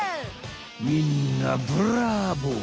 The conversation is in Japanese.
みんなブラボー！